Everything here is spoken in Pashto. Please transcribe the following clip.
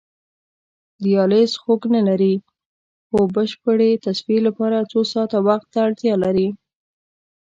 دیالیز خوږ نه لري خو بشپړې تصفیې لپاره څو ساعته وخت ته اړتیا لري.